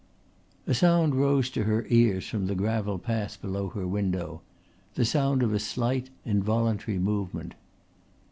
A sound rose to her ears from the gravel path below her window the sound of a slight involuntary movement.